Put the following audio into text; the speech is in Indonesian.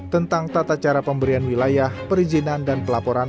tentang tata cara pemberian wilayah perizinan dan pelaporan